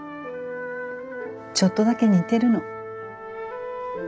ちょっとだけ似てるの。